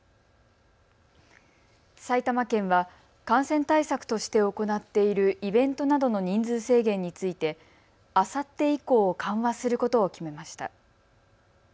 埼玉県は感染対策として行っているイベントなどの人数制限についてあさって以降、緩和することを決めました。